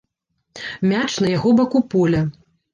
Мяч на яго баку поля.